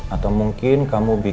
atau mungkin kamu ada kesalahan